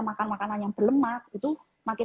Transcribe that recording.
makan makanan yang berlemak itu makin